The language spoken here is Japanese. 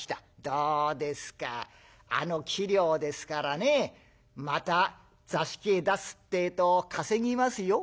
どうですかあの器量ですからねまた座敷へ出すってえと稼ぎますよ。